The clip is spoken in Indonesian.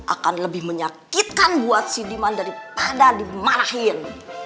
akan lebih menyakitkan buat si demand daripada dimarahin